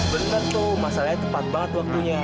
bener tuh masalahnya tepat banget waktunya